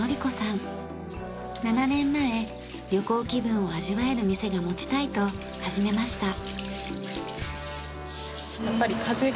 ７年前旅行気分を味わえる店が持ちたいと始めました。